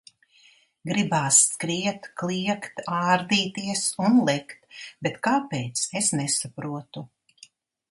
Gribās skriet, kliegt, ārdīties un lekt, bet kāpēc, es nesaprotu.